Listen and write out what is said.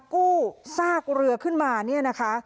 กู้ซากเรือขึ้นมาเนี่ยนะคะ